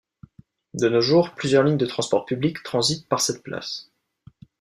De nos jours, plusieurs lignes de transports public transitent par cette place.